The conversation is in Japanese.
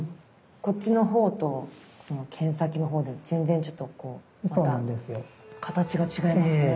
こっちのほうと剣先のほうで全然ちょっとこうまた形が違いますね。